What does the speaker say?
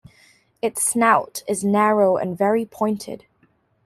Its snout is narrow and very pointed.